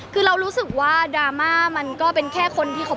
คือเรารู้สึกว่าดราม่ามันก็เป็นแค่คนที่คบ